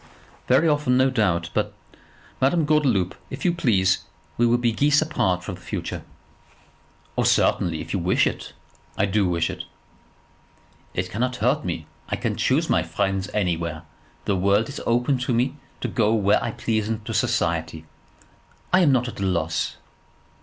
"Very often, no doubt; but, Madame Gordeloup, if you please we will be geese apart for the future." "Oh, certainly; if you wish it." "I do wish it." "It cannot hurt me. I can choose my friends anywhere. The world is open to me to go where I please into society. I am not at a loss."